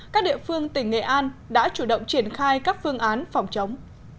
các địa phương tỉnh nghệ an đã chủ động triển khai các phương án phòng chống